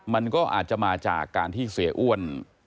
มันก็อาจจะมาจากการที่เสียอ้วน